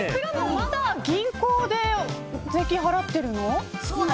まだ銀行で税金払ってるの。